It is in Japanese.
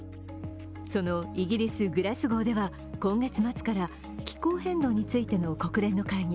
そのイギリス・グラスゴーでは今月末から気候変動についての国連の会議